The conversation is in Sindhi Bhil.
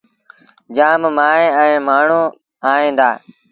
جآم مائيٚݩ ائيٚݩ مآڻهوٚݩ ائيٚݩ دآ۔